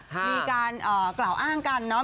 มีการกล่าวอ้างกันเนาะ